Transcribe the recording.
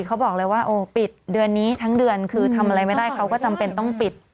เขาบอกเลยว่าโอ้ปิดเดือนนี้ทั้งเดือนคือทำอะไรไม่ได้เขาก็จำเป็นต้องปิด